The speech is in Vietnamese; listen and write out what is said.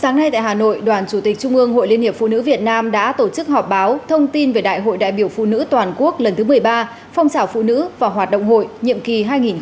sáng nay tại hà nội đoàn chủ tịch trung ương hội liên hiệp phụ nữ việt nam đã tổ chức họp báo thông tin về đại hội đại biểu phụ nữ toàn quốc lần thứ một mươi ba phong trào phụ nữ và hoạt động hội nhiệm kỳ hai nghìn một mươi chín hai nghìn hai mươi bốn